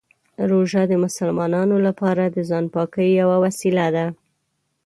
روژه د مسلمانانو لپاره د ځان پاکۍ یوه وسیله ده.